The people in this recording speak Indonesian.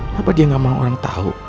jadi dia bilang kolega